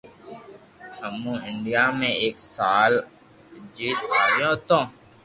امو انڌيا مي ايڪ سال اجين آويو ھتو